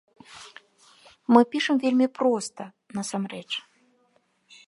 Мы пішам вельмі проста, насамрэч.